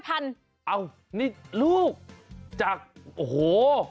เอ้านี่ลูกจากโอ้โห